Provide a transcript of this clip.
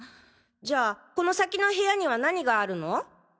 じゃあこの先の部屋には何があるの？